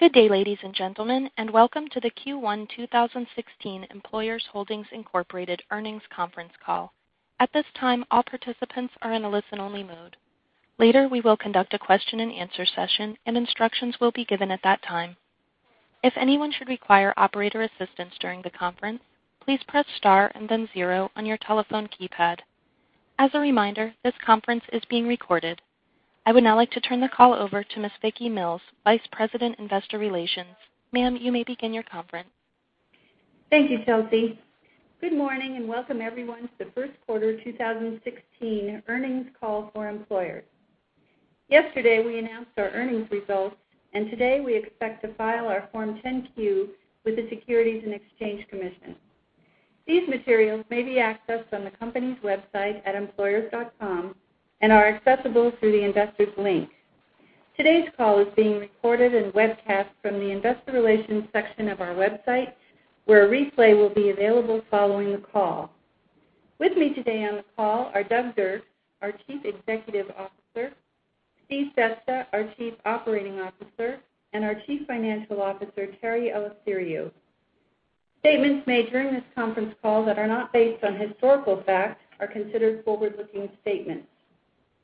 Good day, ladies and gentlemen, and welcome to the Q1 2016 Employers Holdings, Inc. Earnings Conference Call. At this time, all participants are in a listen-only mode. Later, we will conduct a question and answer session, and instructions will be given at that time. If anyone should require operator assistance during the conference, please press star and then zero on your telephone keypad. As a reminder, this conference is being recorded. I would now like to turn the call over to Ms. Vicky Mills, Vice President, Investor Relations. Ma'am, you may begin your conference. Thank you, Chelsea. Good morning and welcome everyone to the first quarter 2016 earnings call for Employers. Yesterday, we announced our earnings results, and today we expect to file our Form 10-Q with the Securities and Exchange Commission. These materials may be accessed on the company's website at employers.com and are accessible through the Investors link. Today's call is being recorded and webcast from the Investor Relations section of our website, where a replay will be available following the call. With me today on the call are Doug Dirks, our Chief Executive Officer, Steve Bester, our Chief Operating Officer, and our Chief Financial Officer, Terry Eleftheriou. Statements made during this conference call that are not based on historical facts are considered forward-looking statements.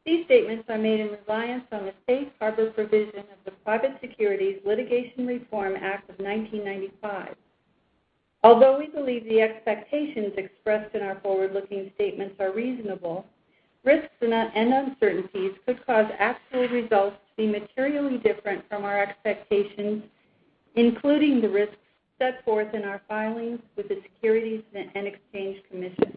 These statements are made in reliance on the safe harbor provision of the Private Securities Litigation Reform Act of 1995. Although we believe the expectations expressed in our forward-looking statements are reasonable, risks and uncertainties could cause actual results to be materially different from our expectations, including the risks set forth in our filings with the Securities and Exchange Commission.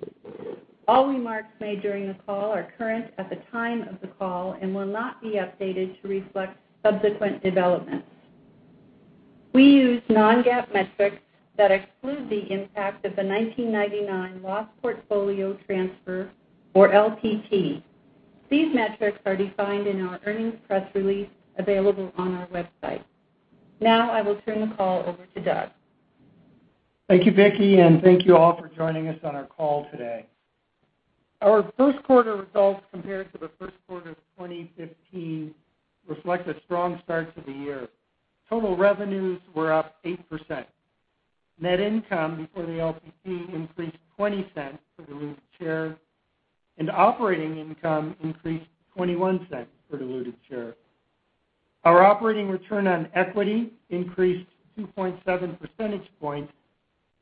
All remarks made during the call are current at the time of the call and will not be updated to reflect subsequent developments. We use non-GAAP metrics that exclude the impact of the 1999 Lost Portfolio Transfer, or LPT. These metrics are defined in our earnings press release available on our website. Now I will turn the call over to Doug. Thank you, Vicky, and thank you all for joining us on our call today. Our first quarter results compared to the first quarter of 2015 reflect a strong start to the year. Total revenues were up 8%. Net income before the LPT increased $0.20 per diluted share, and operating income increased $0.21 per diluted share. Our operating return on equity increased 2.7 percentage points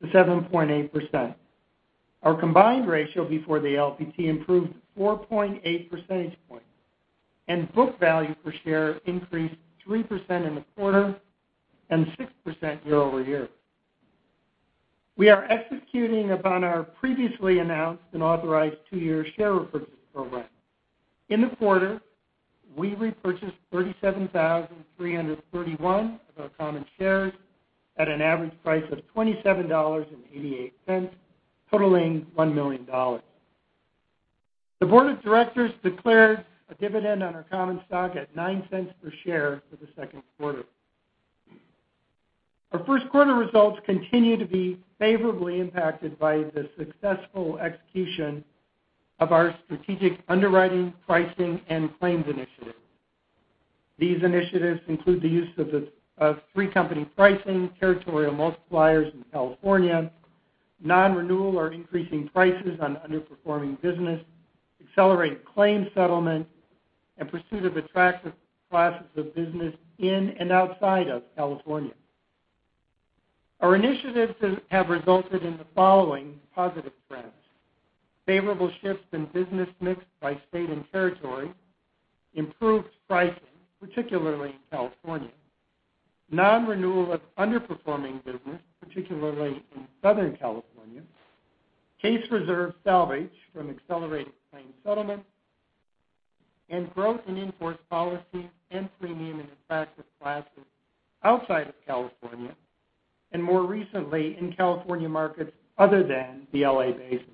to 7.8%. Our combined ratio before the LPT improved 4.8 percentage points, and book value per share increased 3% in the quarter and 6% year-over-year. We are executing upon our previously announced and authorized two-year share repurchase program. In the quarter, we repurchased 37,331 of our common shares at an average price of $27.88, totaling $1 million. The board of directors declared a dividend on our common stock at $0.09 per share for the second quarter. Our first quarter results continue to be favorably impacted by the successful execution of our strategic underwriting, pricing, and claims initiatives. These initiatives include the use of three-company pricing, territorial multipliers in California, non-renewal or increasing prices on underperforming business, accelerated claims settlement, and pursuit of attractive classes of business in and outside of California. Our initiatives have resulted in the following positive trends. Favorable shifts in business mix by state and territory, improved pricing, particularly in California, non-renewal of underperforming business, particularly in Southern California, case reserve salvage from accelerated claims settlement, and growth in in-force policies and premium in attractive classes outside of California, and more recently in California markets other than the L.A. Basin.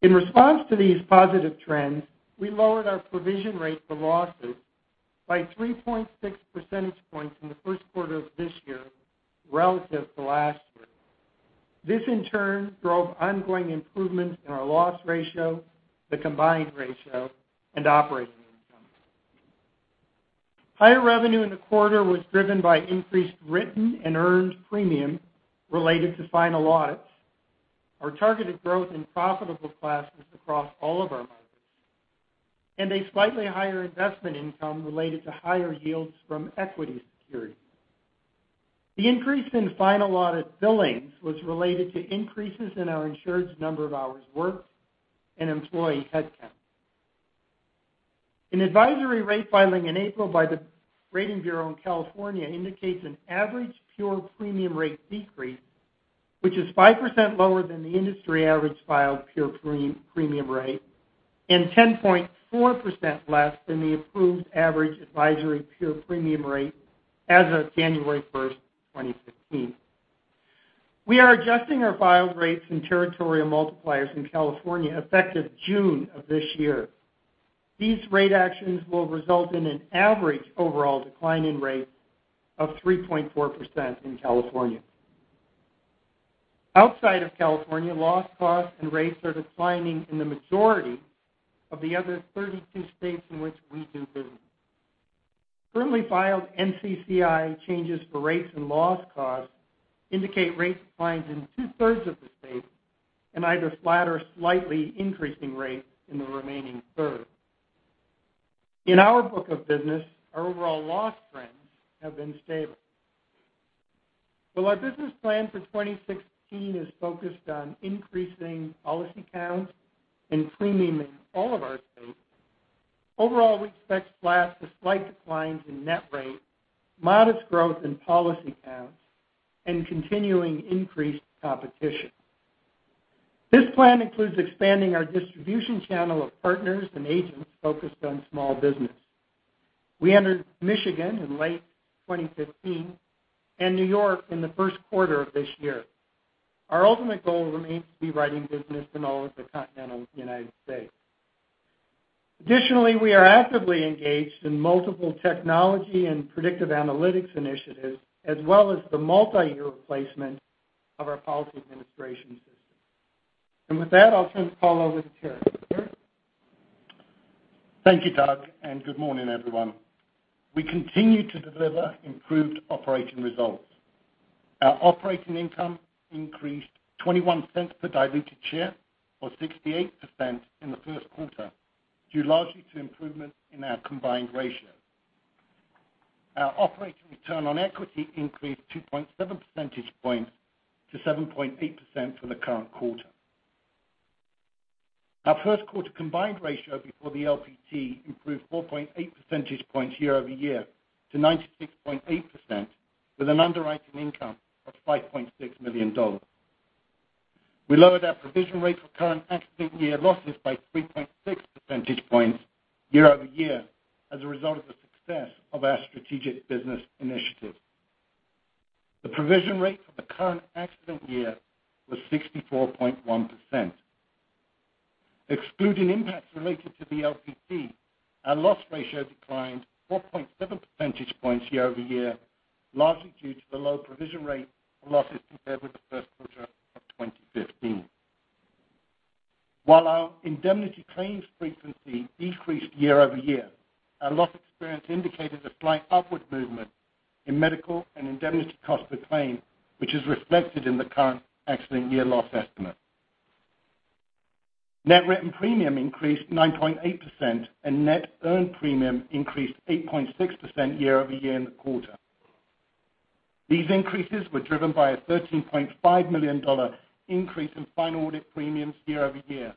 In response to these positive trends, we lowered our provision rate for losses by 3.6 percentage points in the first quarter of this year relative to last year. This, in turn, drove ongoing improvements in our loss ratio, the combined ratio, and operating income. Higher revenue in the quarter was driven by increased written and earned premium related to final audits, our targeted growth in profitable classes across all of our markets, and a slightly higher investment income related to higher yields from equity securities. The increase in final audit billings was related to increases in our insured's number of hours worked and employee headcount. An advisory rate filing in April by the Rating Bureau in California indicates an average pure premium rate decrease, which is 5% lower than the industry average filed pure premium rate and 10.4% less than the approved average advisory pure premium rate as of January 1st, 2015. We are adjusting our filed rates and territorial multipliers in California effective June of this year. These rate actions will result in an average overall decline in rate of 3.4% in California. Outside of California, loss costs and rates are declining in the majority of the other 32 states in which we do business. Currently filed NCCI changes for rates and loss costs indicate rate declines in two-thirds of the states and either flat or slightly increasing rates in the remaining third. In our book of business, our overall loss trends have been stable. Our business plan for 2016 is focused on increasing policy counts and premium in all of our states. Overall, we expect flat to slight declines in net rate, modest growth in policy counts, and continuing increased competition. This plan includes expanding our distribution channel of partners and agents focused on small business. We entered Michigan in late 2015 and New York in the first quarter of this year. Our ultimate goal remains to be writing business in all of the continental United States. Additionally, we are actively engaged in multiple technology and predictive analytics initiatives, as well as the multiyear replacement of our policy administration system. With that, I'll turn the call over to Terry. Terry? Thank you, Doug, good morning, everyone. We continue to deliver improved operating results. Our operating income increased $0.21 per diluted share or 68% in the first quarter, due largely to improvements in our combined ratio. Our operating return on equity increased 2.7 percentage points to 7.8% for the current quarter. Our first quarter combined ratio before the LPT improved 4.8 percentage points year-over-year to 96.8%, with an underwriting income of $5.6 million. We lowered our provision rate for current accident year losses by 3.6 percentage points year-over-year as a result of the success of our strategic business initiatives. The provision rate for the current accident year was 64.1%. Excluding impacts related to the LPT, our loss ratio declined 4.7 percentage points year-over-year, largely due to the low provision rate for losses compared with the first quarter of 2015. While our indemnity claims frequency decreased year-over-year, our loss experience indicated a slight upward movement in medical and indemnity cost per claim, which is reflected in the current accident year loss estimate. Net written premium increased 9.8%, net earned premium increased 8.6% year-over-year in the quarter. These increases were driven by a $13.5 million increase in final audit premiums year-over-year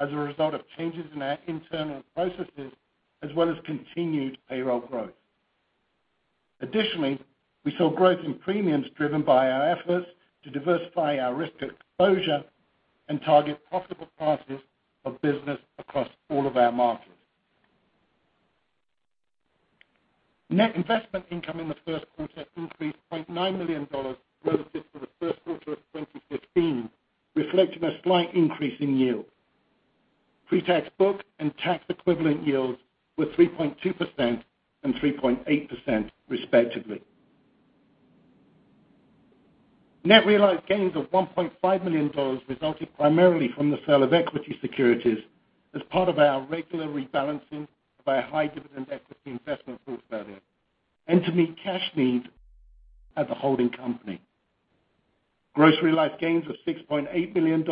as a result of changes in our internal processes as well as continued payroll growth. Additionally, we saw growth in premiums driven by our efforts to diversify our risk exposure and target profitable classes of business across all of our markets. Net investment income in the first quarter increased $0.9 million relative to the first quarter of 2015, reflecting a slight increase in yield. Pre-tax book and tax-equivalent yields were 3.2% and 3.8%, respectively. Net realized gains of $1.5 million resulted primarily from the sale of equity securities as part of our regular rebalancing of our high dividend equity investment portfolio and to meet cash needs at the holding company. Gross realized gains of $6.8 million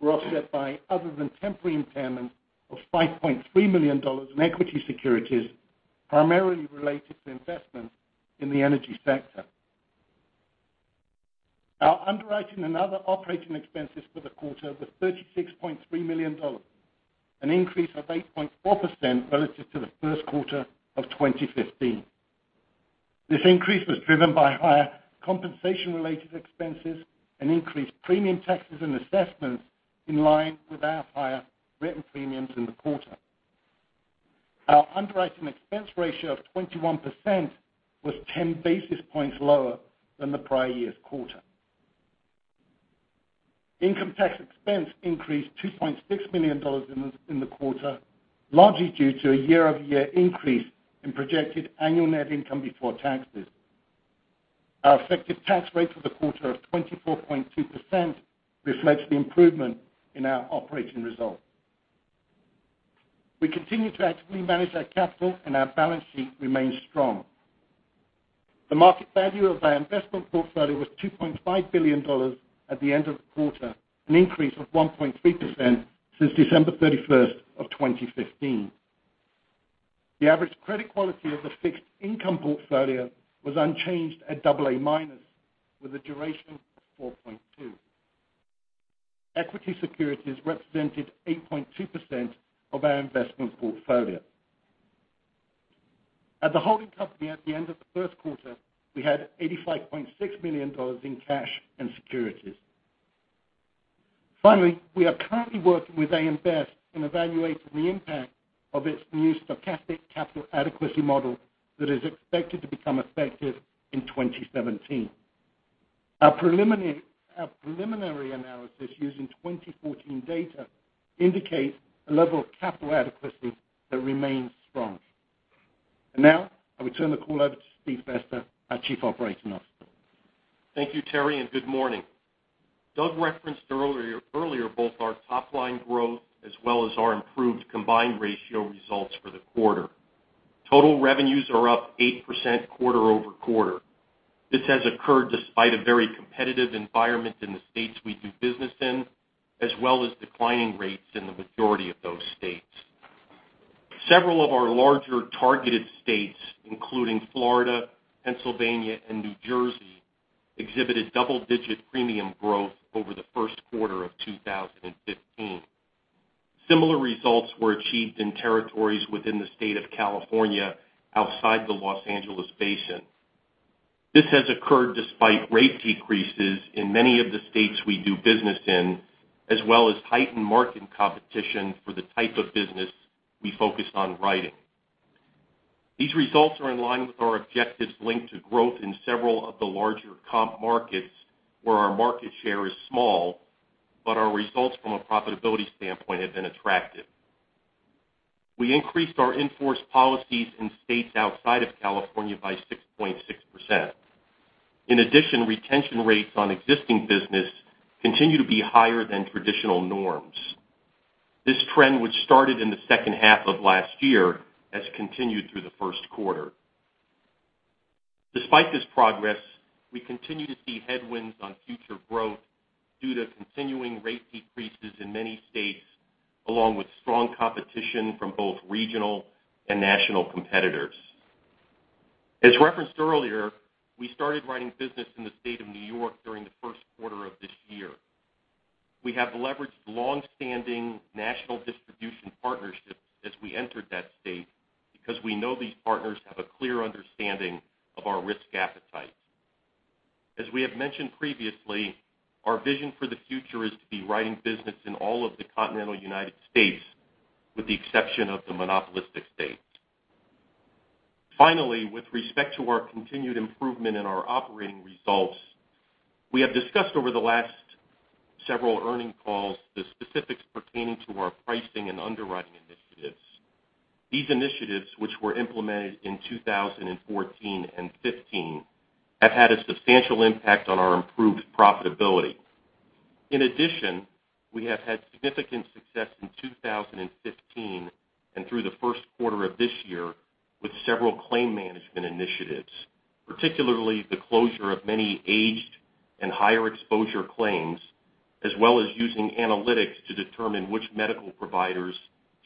were offset by other than temporary impairments of $5.3 million in equity securities, primarily related to investments in the energy sector. Our underwriting and other operating expenses for the quarter were $36.3 million, an increase of 8.4% relative to the first quarter of 2015. This increase was driven by higher compensation-related expenses and increased premium taxes and assessments in line with our higher written premiums in the quarter. Our underwriting expense ratio of 21% was 10 basis points lower than the prior year's quarter. Income tax expense increased to $2.6 million in the quarter, largely due to a year-over-year increase in projected annual net income before taxes. Our effective tax rate for the quarter of 24.2% reflects the improvement in our operating results. We continue to actively manage our capital, our balance sheet remains strong. The market value of our investment portfolio was $2.5 billion at the end of the quarter, an increase of 1.3% since December 31st of 2015. The average credit quality of the fixed income portfolio was unchanged at double A minus, with a duration of 4.2. Equity securities represented 8.2% of our investment portfolio. At the holding company at the end of the first quarter, we had $85.6 million in cash and securities. Finally, we are currently working with AM Best in evaluating the impact of its new stochastic capital adequacy model that is expected to become effective in 2017. Our preliminary analysis using 2014 data indicates a level of capital adequacy that remains strong. I will turn the call over to Steve Bester, our Chief Operating Officer. Thank you, Terry. Good morning. Doug referenced earlier both our top-line growth as well as our improved combined ratio results for the quarter. Total revenues are up 8% quarter-over-quarter. This has occurred despite a very competitive environment in the states we do business in, as well as declining rates in the majority of those states. Several of our larger targeted states, including Florida, Pennsylvania, and New Jersey, exhibited double-digit premium growth over the first quarter of 2015. Similar results were achieved in territories within the state of California, outside the Los Angeles basin. This has occurred despite rate decreases in many of the states we do business in, as well as heightened market competition for the type of business we focus on writing. These results are in line with our objectives linked to growth in several of the larger comp markets where our market share is small, but our results from a profitability standpoint have been attractive. We increased our in-force policies in states outside of California by 6.6%. In addition, retention rates on existing business continue to be higher than traditional norms. This trend, which started in the second half of last year, has continued through the first quarter. Despite this progress, we continue to see headwinds on future growth due to continuing rate decreases in many states, along with strong competition from both regional and national competitors. As referenced earlier, we started writing business in the state of New York during the first quarter of this year. We have leveraged long-standing national distribution partnerships as we entered that state, because we know these partners have a clear understanding of our risk appetite. As we have mentioned previously, our vision for the future is to be writing business in all of the continental U.S., with the exception of the monopolistic states. Finally, with respect to our continued improvement in our operating results, we have discussed over the last several earnings calls the specifics pertaining to our pricing and underwriting initiatives. These initiatives, which were implemented in 2014 and 2015, have had a substantial impact on our improved profitability. In addition, we have had significant success in 2015 and through the first quarter of this year with several claims management initiatives, particularly the closure of many aged and higher exposure claims, as well as using analytics to determine which medical providers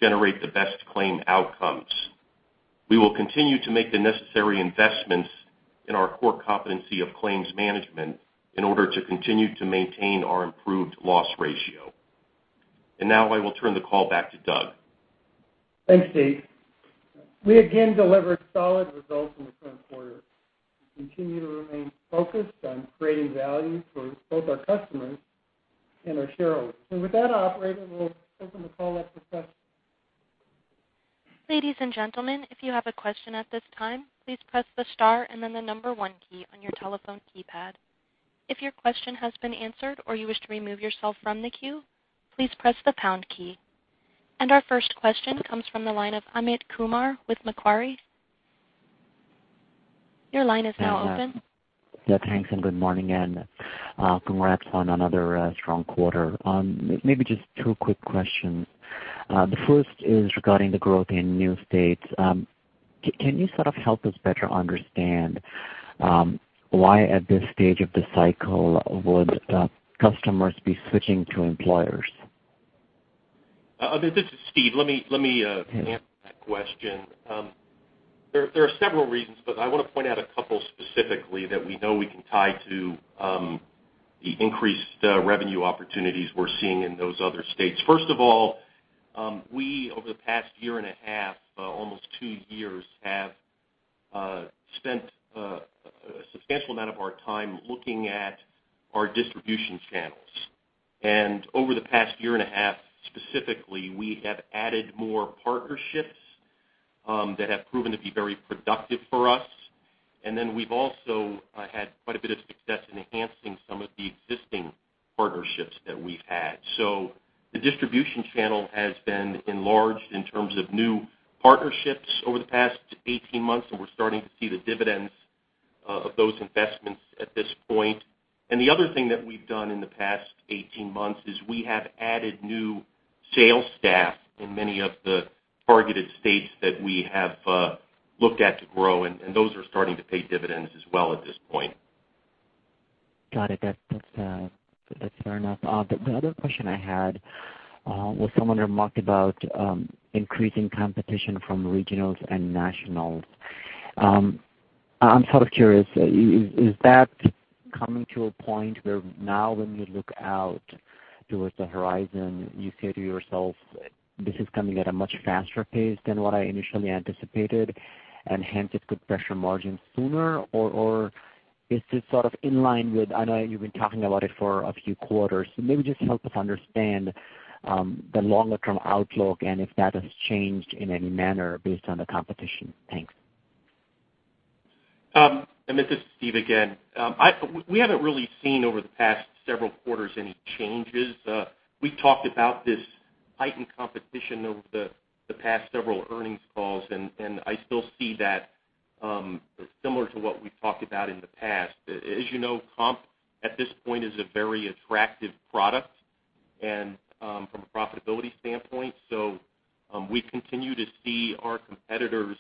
generate the best claim outcomes. We will continue to make the necessary investments in our core competency of claims management in order to continue to maintain our improved loss ratio. Now I will turn the call back to Doug. Thanks, Steve. We again delivered solid results in the current quarter and continue to remain focused on creating value for both our customers and our shareholders. With that, operator, we'll open the call up for questions. Ladies and gentlemen, if you have a question at this time, please press the star and then the number one key on your telephone keypad. If your question has been answered or you wish to remove yourself from the queue, please press the pound key. Our first question comes from the line of Amit Kumar with Macquarie. Your line is now open. Yeah. Thanks, good morning, and congrats on another strong quarter. Maybe just two quick questions. The first is regarding the growth in new states. Can you sort of help us better understand why, at this stage of the cycle, would customers be switching to Employers? This is Steve. Let me answer that question. There are several reasons, but I want to point out a couple specifically that we know we can tie to the increased revenue opportunities we're seeing in those other states. First of all, we, over the past year and a half, almost two years, have spent a substantial amount of our time looking at our distribution channels. Over the past year and a half, specifically, we have added more partnerships that have proven to be very productive for us. We've also had quite a bit of success in enhancing some of the existing partnerships that we've had. The distribution channel has been enlarged in terms of new partnerships over the past 18 months, and we're starting to see the dividends of those investments at this point. The other thing that we've done in the past 18 months is we have added new sales staff in many of the targeted states that we have looked at to grow, and those are starting to pay dividends as well at this point. Got it. That's fair enough. The other question I had was someone remarked about increasing competition from regionals and nationals. I'm sort of curious, is that coming to a point where now when you look out towards the horizon, you say to yourself, this is coming at a much faster pace than what I initially anticipated, and hence it could pressure margins sooner? Or is this sort of in line with, I know you've been talking about it for a few quarters, so maybe just help us understand the longer-term outlook and if that has changed in any manner based on the competition. Thanks. Amit, this is Steve again. We haven't really seen over the past several quarters any changes. We talked about this heightened competition over the past several earnings calls, I still see that similar to what we've talked about in the past. As you know, comp at this point is a very attractive product and from a profitability standpoint. We continue to see our competitors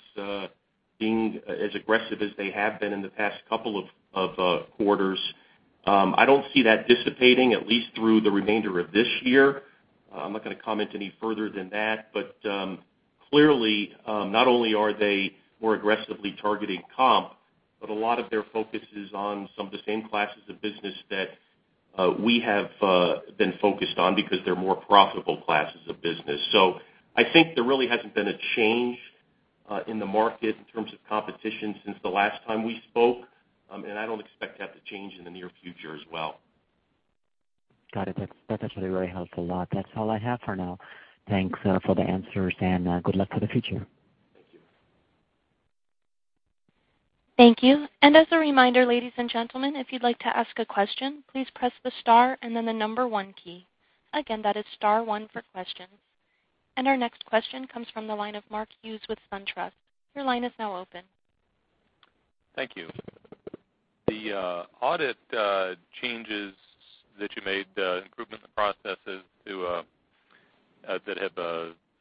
being as aggressive as they have been in the past couple of quarters. I don't see that dissipating, at least through the remainder of this year. I'm not going to comment any further than that. Clearly, not only are they more aggressively targeting comp, but a lot of their focus is on some of the same classes of business that we have been focused on because they're more profitable classes of business. I think there really hasn't been a change in the market in terms of competition since the last time we spoke, and I don't expect that to change in the near future as well. Got it. That's actually very helpful. That's all I have for now. Thanks for the answers, and good luck for the future. Thank you. Thank you. As a reminder, ladies and gentlemen, if you'd like to ask a question, please press the star and then the number 1 key. Again, that is star 1 for questions. Our next question comes from the line of Mark Hughes with SunTrust. Your line is now open. Thank you. The audit changes that you made, improvements and processes that have,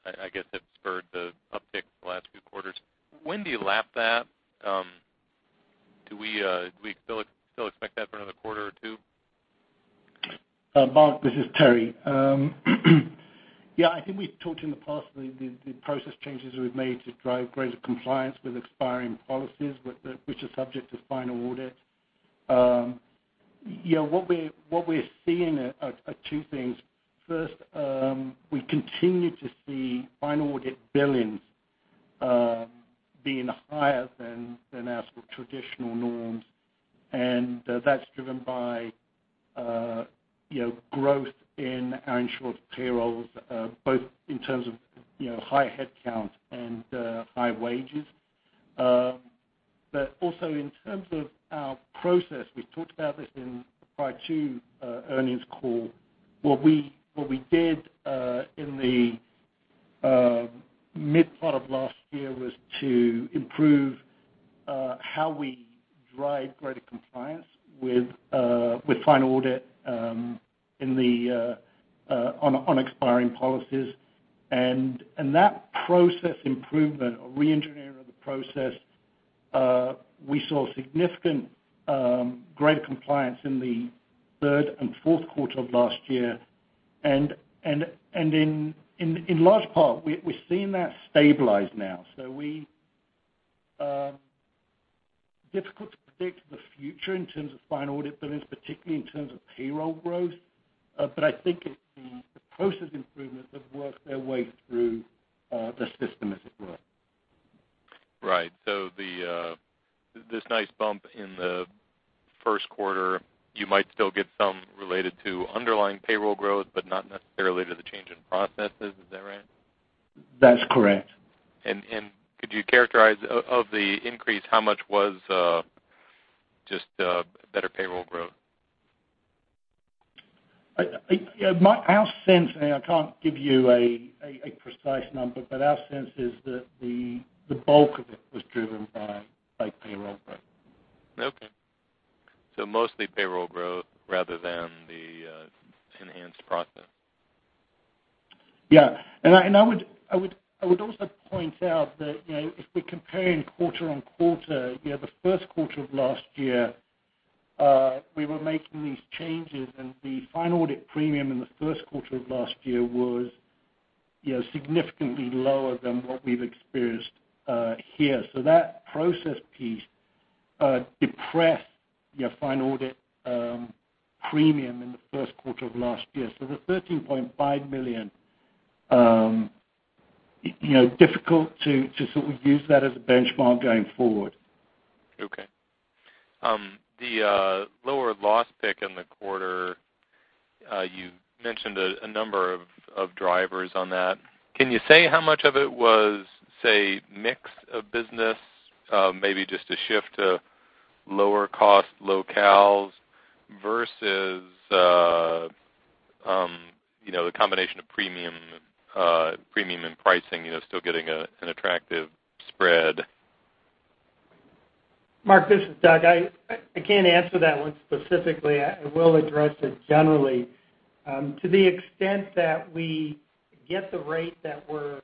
I guess, have spurred the uptick the last few quarters. When do you lap that? Do we still expect that for another quarter or two? Mark, this is Terry. Yeah, I think we've talked in the past, the process changes we've made to drive greater compliance with expiring policies, which are subject to final audit. What we're seeing are two things. First, we continue to see final audit billings being higher than our traditional norms, and that's driven by growth in our insured payrolls, both in terms of high headcount and high wages. Also in terms of our process, we talked about this in the Q2 earnings call. What we did in the mid part of last year was to improve how we drive greater compliance with final audit on expiring policies. That process improvement or re-engineering of the process, we saw significant greater compliance in the third and fourth quarter of last year. In large part, we're seeing that stabilize now. Difficult to predict the future in terms of final audit billings, particularly in terms of payroll growth. I think it's the process improvements have worked their way through the system, as it were. Right. This nice bump in the first quarter, you might still get some related to underlying payroll growth, but not necessarily to the change in processes. Is that right? That's correct. Could you characterize, of the increase, how much was just better payroll growth? Our sense, and I can't give you a precise number, but our sense is that the bulk of it was driven by payroll growth. Okay. Mostly payroll growth rather than the enhanced process. Yeah. I would also point out that if we're comparing quarter-on-quarter, the first quarter of last year, we were making these changes, and the final audit premium in the first quarter of last year was significantly lower than what we've experienced here. That process piece depressed your final audit premium in the first quarter of last year. The $13.5 million, difficult to sort of use that as a benchmark going forward. Okay. The lower loss pick in the quarter, you mentioned a number of drivers on that. Can you say how much of it was, say, mix of business, maybe just a shift to lower cost locales versus the combination of premium and pricing, still getting an attractive spread? Mark, this is Doug. I can't answer that one specifically. I will address it generally. To the extent that we get the rate that we're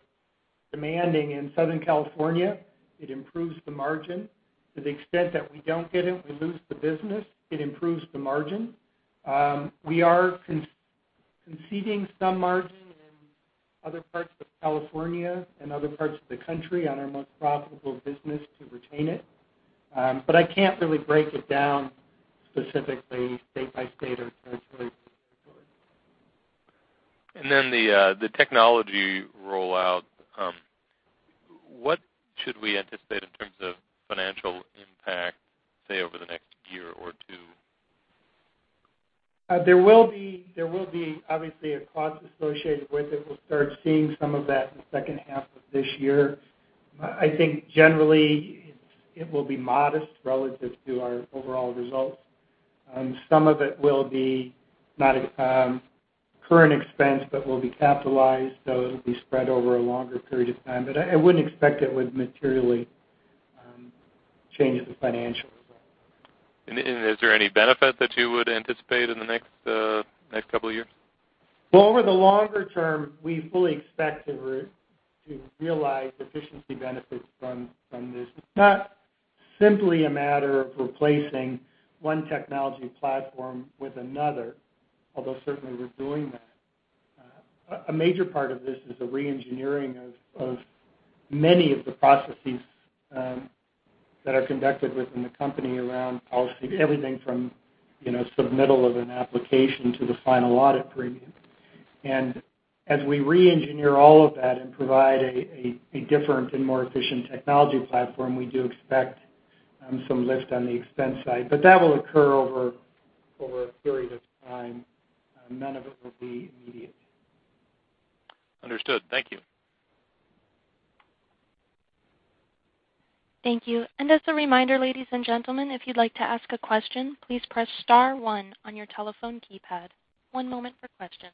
demanding in Southern California, it improves the margin. To the extent that we don't get it, we lose the business, it improves the margin. I can't really break it down specifically state by state or territory by territory. The technology rollout. What should we anticipate in terms of financial impact, say, over the next year or two? There will be obviously a cost associated with it. We'll start seeing some of that in the second half of this year. I think generally, it will be modest relative to our overall results. Some of it will be not a current expense but will be capitalized, so it'll be spread over a longer period of time. I wouldn't expect it would materially change the financial results. Is there any benefit that you would anticipate in the next couple of years? Well, over the longer term, we fully expect to realize efficiency benefits from this. It's not simply a matter of replacing one technology platform with another, although certainly we're doing that. A major part of this is the re-engineering of many of the processes that are conducted within the company around policy, everything from submittal of an application to the final audit premium. As we re-engineer all of that and provide a different and more efficient technology platform, we do expect some lift on the expense side. That will occur over a period of time. None of it will be immediate. Understood. Thank you. Thank you. As a reminder, ladies and gentlemen, if you'd like to ask a question, please press star one on your telephone keypad. One moment for questions.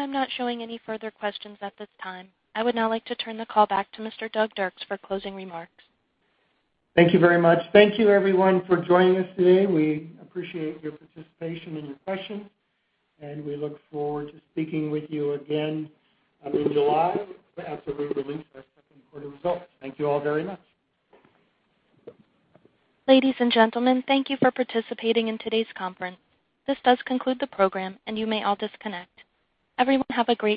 I'm not showing any further questions at this time. I would now like to turn the call back to Mr. Doug Dirks for closing remarks. Thank you very much. Thank you, everyone for joining us today. We appreciate your participation and your questions, and we look forward to speaking with you again in July after we release our second quarter results. Thank you all very much. Ladies and gentlemen, thank you for participating in today's conference. This does conclude the program, and you may all disconnect. Everyone have a great day.